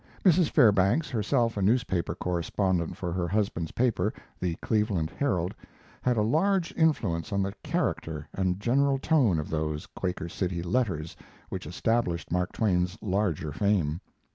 Mrs. Fairbanks herself a newspaper correspondent for her husband's paper, the Cleveland Herald had a large influence on the character and general tone of those Quaker City letters which established Mark Twain's larger fame.